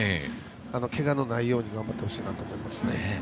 けがのないように頑張ってほしいなと思います。